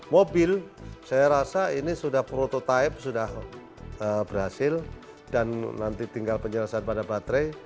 mobil saya rasa ini sudah prototipe sudah berhasil dan nanti tinggal penjelasan pada baterai